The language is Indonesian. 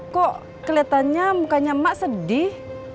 kok kelihatannya mukanya mak sedih